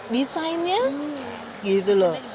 desainnya gitu loh